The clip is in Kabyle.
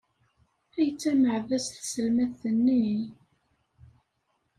Ay d tameɛdazt tselmadt-nni!